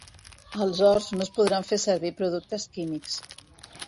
Als horts no es podran fer servir productes químics.